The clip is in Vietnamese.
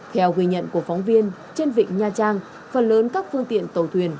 theo ghi nhận của phóng viên trên vịnh nha trang phần lớn các phương tiện tàu thuyền